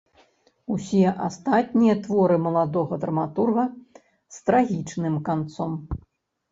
Усе астатнія творы маладога драматурга з трагічным канцом.